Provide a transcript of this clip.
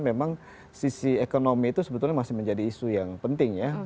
memang sisi ekonomi itu sebetulnya masih menjadi isu yang penting ya